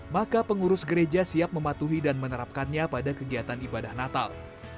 maka pengurus gereja siap mematuhi dan menerapkannya pada kegiatan ibadah natal